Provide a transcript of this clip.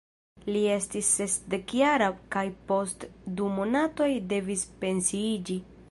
Li estis sesdekjara kaj post du monatoj devis pensiiĝi.